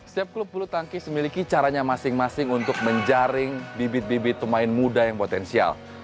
setiap klub bulu tangkis memiliki caranya masing masing untuk menjaring bibit bibit pemain muda yang potensial